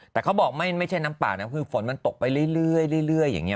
แต่เขาบอกไม่ใช่น้ำป่านะคือฝนมันตกไปเรื่อยอย่างนี้